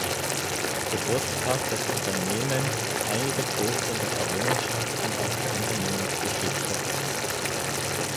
Geburtstag des Unternehmens einige Poster mit Errungenschaften aus der Unternehmensgeschichte.